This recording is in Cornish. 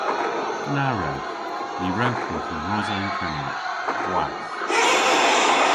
Na wrewgh! Ny wrewgh hwi hunrosa yn Kernewek - hwath!